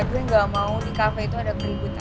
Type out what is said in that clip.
gue gak mau di kafe itu ada keributan